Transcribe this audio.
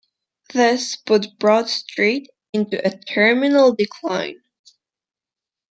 This put Broad Street into a terminal decline.